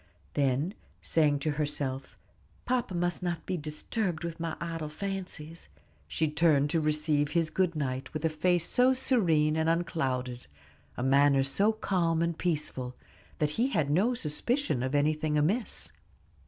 Then, saying to herself, "Papa must not be disturbed with my idle fancies," she turned to receive his good night with a face so serene and unclouded, a manner so calm and peaceful, that he had no suspicion of anything amiss.